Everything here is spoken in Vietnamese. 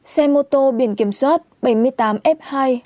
xe mô tô biển kiểm soát bảy mươi tám f hai hai nghìn chín trăm tám mươi bảy